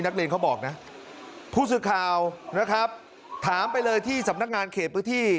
นักเรียนเขาบอกนะผู้สื่อข่าวนะครับถามไปเลยที่สำนักงานเขตพื้นที่